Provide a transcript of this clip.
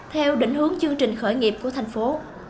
theo định hướng chương trình khởi nghiệp của thành phố